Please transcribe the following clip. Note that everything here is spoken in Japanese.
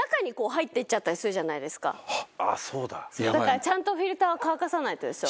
だからちゃんとフィルターは乾かさないとですよ。